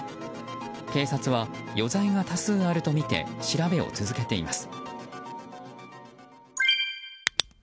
警察は余罪が多数あるとみて調べを続けています。